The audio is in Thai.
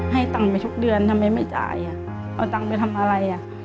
ให้ตังค์ไปทุกเดือนทำไมไม่จ่ายเอาตังค์ไปทำอะไร